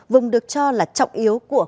vùng được cho là trọng yếu của